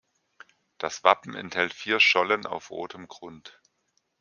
Das Wappen enthält vier Schollen auf rotem Grund.